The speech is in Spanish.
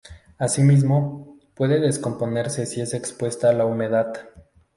Asimismo, puede descomponerse si es expuesta a la humedad.